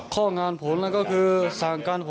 ข้องงานผลแล้วก็คือสั่งการผล